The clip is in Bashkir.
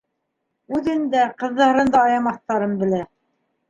Үҙен дә, ҡыҙҙарын да аямаҫтарын белә.